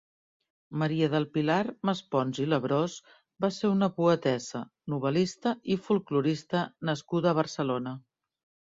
Maria del Pilar Maspons i Labrós va ser una poetessa, novel·lista i folklorista nascuda a Barcelona.